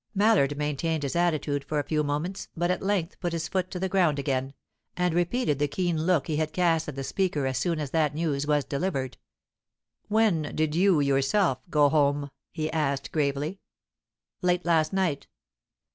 Mallard maintained his attitude for a few moments, but at length put his foot to the ground again, and repeated the keen look he had cast at the speaker as soon as that news was delivered. "When did you yourself go home?" he asked gravely. "Late last night."